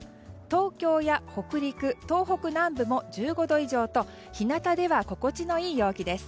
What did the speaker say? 東京、北陸、東北南部も１５度以上と日向では心地のいい陽気です。